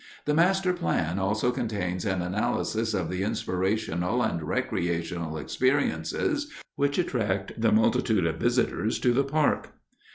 The master plan also contains an analysis of the inspirational and recreational experiences which attract the multitude of visitors to the park.